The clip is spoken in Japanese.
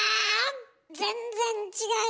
全然違う。